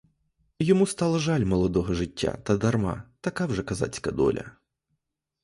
Йому стало жаль молодого життя, та дарма, така вже козацька доля.